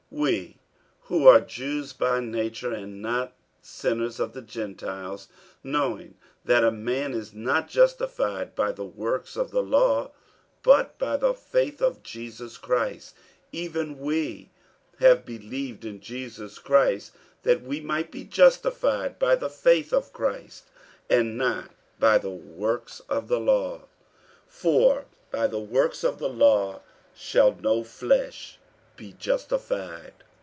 48:002:015 We who are Jews by nature, and not sinners of the Gentiles, 48:002:016 Knowing that a man is not justified by the works of the law, but by the faith of Jesus Christ, even we have believed in Jesus Christ, that we might be justified by the faith of Christ, and not by the works of the law: for by the works of the law shall no flesh be justified.